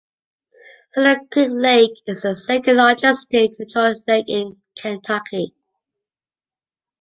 Cedar Creek Lake is the second largest state-controlled lake in Kentucky.